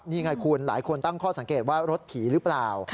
นี่ไงคุณหลายคนตั้งข้อสังเกตว่ารถผีหรือเปล่า